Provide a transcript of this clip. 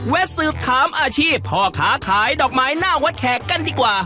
สืบถามอาชีพพ่อค้าขายดอกไม้หน้าวัดแขกกันดีกว่า